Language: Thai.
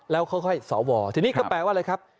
แล้วเขาก็ให้สอวทีนี้ก็แปลว่าอะไรครับ